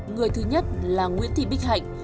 người thứ nhất là nguyễn thị bích hạnh